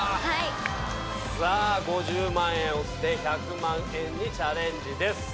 さぁ５０万円を捨て１００万円にチャレンジです。